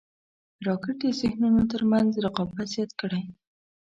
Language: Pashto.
راکټ د ذهنونو تر منځ رقابت زیات کړی